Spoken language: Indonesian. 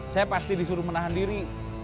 saya pasti disuruh menahan diri